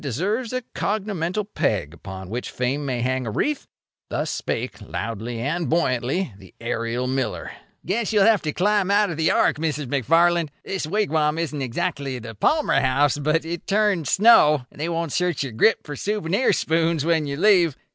Menefee deserves a cognomenal peg upon which Fame may hang a wreath. Thus spake, loudly and buoyantly, the aerial miller: "Guess you'll have to climb out of the ark, Mrs. McFarland. This wigwam isn't exactly the Palmer House, but it turns snow, and they won't search your grip for souvenir spoons when you leave.